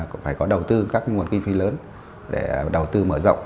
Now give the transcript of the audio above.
cũng phải có đầu tư các nguồn kinh phí lớn để đầu tư mở rộng